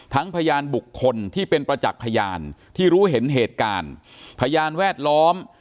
พยานบุคคลที่เป็นประจักษ์พยานที่รู้เห็นเหตุการณ์พยานแวดล้อม